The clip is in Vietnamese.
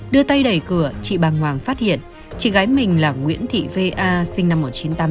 đưa tay đẩy cửa chị bàng hoàng phát hiện chị gái mình là nguyễn thị va sinh năm một nghìn chín trăm tám mươi sáu